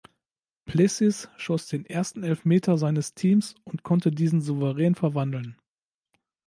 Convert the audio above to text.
Plessis schoss den ersten Elfmeter seines Teams und konnte diesen souverän verwandeln.